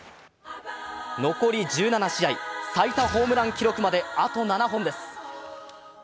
残り１７試合、最多ホームラン記録まであと７本です。